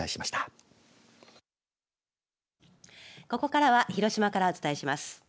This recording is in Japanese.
ここからは広島からお伝えします。